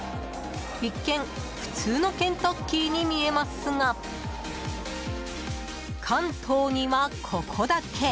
一見、普通のケンタッキーに見えますが関東にはここだけ！